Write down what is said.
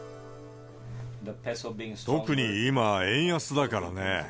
特に今は円安だからね。